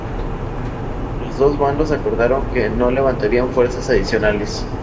Los dos bandos acordaron que no levantarían fuerzas adicionales.